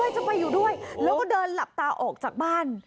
จะไปอยู่ด้วยแล้วก็เดินหลับตาออกจากบ้าน